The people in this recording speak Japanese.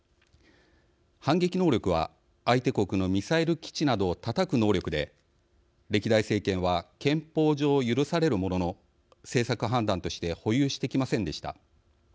反撃能力は、相手国のミサイル基地などをたたく能力で歴代政権は憲法上許されるものの政策判断として保有してきませんでした。